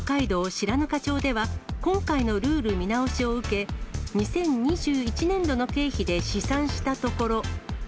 白糠町では、今回のルール見直しを受け、２０２１年度の経費で試算したところ。